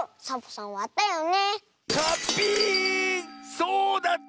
そうだった！